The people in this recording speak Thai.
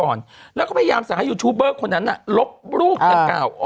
อ่ะเราไปฟังเขาให้ฟื้นเสียงหน่อยอันเนี้ยแหละ